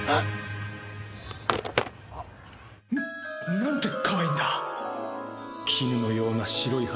なんてかわいいんだ